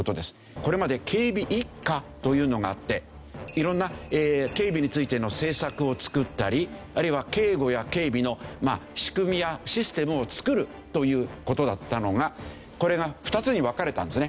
これまで警備１課というのがあっていろんな警備についての政策を作ったりあるいは警護や警備の仕組みやシステムを作るという事だったのがこれが２つに分かれたんですね。